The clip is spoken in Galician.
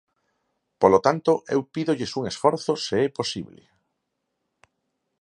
Polo tanto, eu pídolles un esforzo, se é posible.